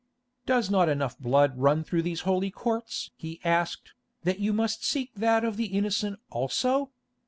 "Does not enough blood run through these holy courts?" he asked, "that you must seek that of the innocent also?